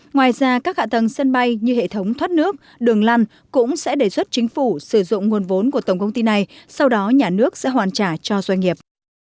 ngoài ra các hạ tầng sân bay như hệ thống thoát nước đường lăn cũng sẽ đề xuất chính phủ sử dụng nguồn vốn của tổng công ty này sau đó nhà nước sẽ hoàn trả cho doanh nghiệp